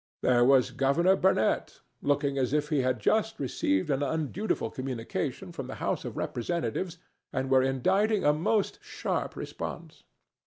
There was Governor Burnett, looking as if he had just received an undutiful communication from the House of Representatives and were inditing a most sharp response.